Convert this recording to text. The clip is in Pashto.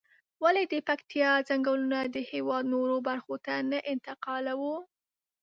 ولې د پکتيا ځنگلونه د هېواد نورو برخو ته نه انتقالوو؟